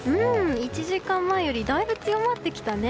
１時間前よりだいぶ強まってきたね。